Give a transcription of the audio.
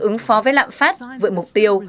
ứng phó với lạm phát vượt mục tiêu